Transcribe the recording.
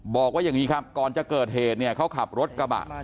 บอกว่าอย่างนี้ครับก่อนจะเกิดเหตุเนี่ยเขาขับรถกระบะ